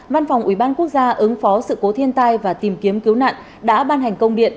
văn phòng ubnd quốc gia ứng phó sự cố thiên tai và tìm kiếm cứu nạn đã ban hành công điện